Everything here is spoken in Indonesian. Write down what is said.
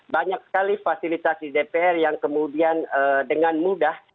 banyak sekali fasilitasi dpr yang kemudian dengan mudah